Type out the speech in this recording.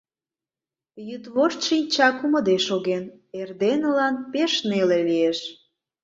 Йӱдвошт шинча кумыде шоген, эрденылан пеш неле лиеш.